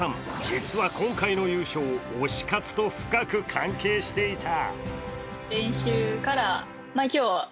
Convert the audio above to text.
実は今回の優勝、推し活と深く関係していた。